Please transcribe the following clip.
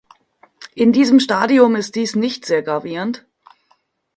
In diesem Stadium ist dies nicht sehr gravierend.